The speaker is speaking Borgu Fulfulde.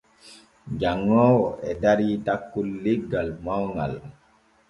Janŋoowo e darii takkol leggal mawŋal.